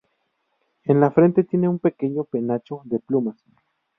En la frente tiene un pequeño penacho de plumas.